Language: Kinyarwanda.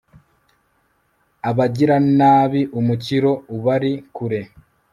abagiranabi umukiro ubari kure